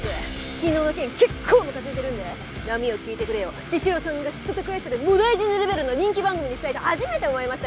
昨日の件結構ムカついてるんで『波よ聞いてくれ』を茅代さんが嫉妬と悔しさでもだえ死ぬレベルの人気番組にしたいと初めて思いましたから。